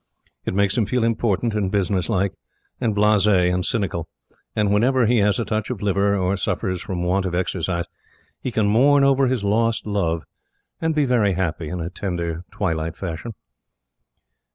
It makes him feel important and business like, and blase, and cynical; and whenever he has a touch of liver, or suffers from want of exercise, he can mourn over his lost love, and be very happy in a tender, twilight fashion.